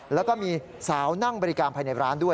แล้วก็มีสาวนั่งบริการภายในร้านด้วย